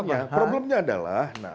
ya problemnya adalah